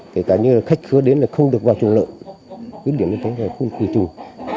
kể cả như khách khứa đến là không được vào trùng lợn cái điểm này tốt là khuôn khủy trùng